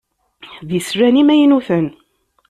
D islan imaynuten.